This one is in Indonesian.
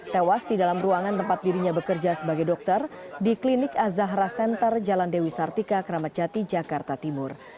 tewas di dalam ruangan tempat dirinya bekerja sebagai dokter di klinik azahra center jalan dewi sartika keramatjati jakarta timur